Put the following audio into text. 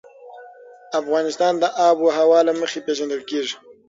افغانستان د آب وهوا له مخې پېژندل کېږي.